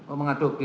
oh mengaduk ya